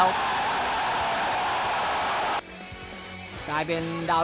สวัสดีครับ